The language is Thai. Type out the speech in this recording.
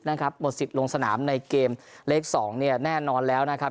หมด๑๐ลงสนามในเกมเลข๒แน่นอนแล้วนะครับ